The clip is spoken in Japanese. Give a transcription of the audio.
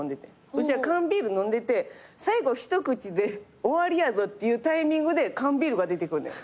うち缶ビール飲んでて最後一口で終わりやぞっていうタイミングで缶ビールが出てくんねん。